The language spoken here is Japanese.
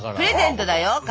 プレゼントだよ